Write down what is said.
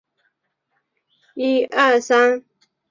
约旦的主要宗教是逊尼派伊斯兰教。